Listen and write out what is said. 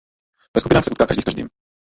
Ve skupinách se utká každý s každým.